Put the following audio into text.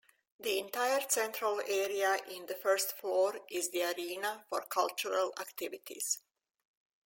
The entire central area in the first floor is the arena for cultural activities.